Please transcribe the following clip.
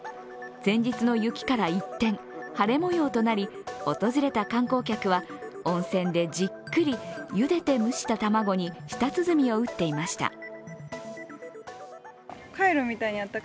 前日の雪から一転、晴れ模様となり訪れた観光客は温泉でじっくりゆでて蒸した卵に舌鼓を打っていました。